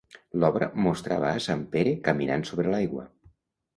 L'obra mostrava a sant Pere caminant sobre l'aigua.